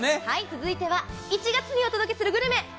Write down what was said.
続いては１月にお届けするグルメ。